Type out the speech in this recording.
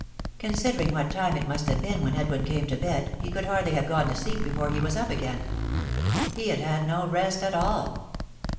Considering what time it must have been when Edwin came to bed, he could hardly have gone to sleep before he was up again. He had had no rest at all.